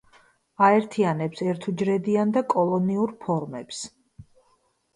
აერთიანებს ერთუჯრედიან და კოლონიურ ფორმებს.